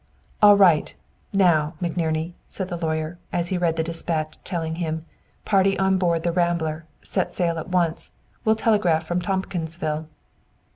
"All right, now, McNerney!" said the lawyer, as he read the dispatch telling him: "Party on board the 'Rambler.' Set sail at once. Will telegraph from Tompkinsville."